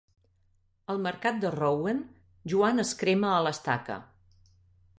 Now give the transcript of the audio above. Al mercat de Rouen, Joan es crema a l'estaca.